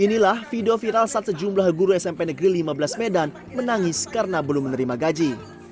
inilah video viral saat sejumlah guru smp negeri lima belas medan menangis karena belum menerima gaji